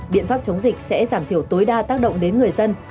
biện pháp chống dịch sẽ giảm thiểu tối đa tác động đến người dân